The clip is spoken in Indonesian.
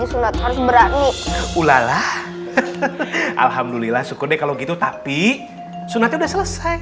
sunat harus berani ulalah alhamdulillah syukur deh kalau gitu tapi sunatnya udah selesai